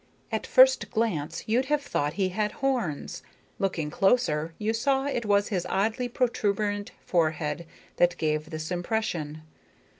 At first glance you'd have thought he had horns. Looking closer you saw it was his oddly protuberant forehead that gave this impression.